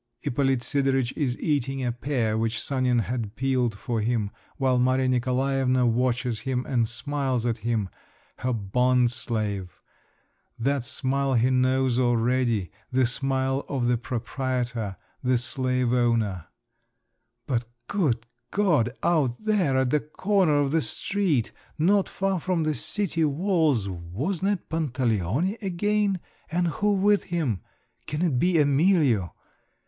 Ippolit Sidoritch is eating a pear which Sanin has peeled for him, while Maria Nikolaevna watches him and smiles at him, her bondslave, that smile he knows already, the smile of the proprietor, the slave owner…. But, good God, out there at the corner of the street not far from the city walls, wasn't it Pantaleone again, and who with him? Can it be Emilio?